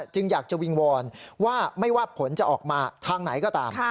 อยากจะวิงวอนว่าไม่ว่าผลจะออกมาทางไหนก็ตาม